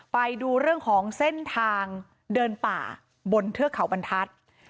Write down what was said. ไปดูเรื่องของเส้นทางเดินป่าบนเทือกเขาบรรทัศน์